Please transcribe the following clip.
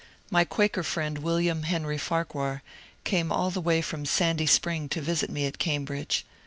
My Quaker friend William Henry Farquhar came all the way from Sandy Spring to visit me at Cambridge.